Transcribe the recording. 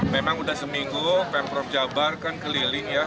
memang sudah seminggu pemprov jawa barat kan keliling ya